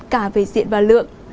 cả về diện và lượng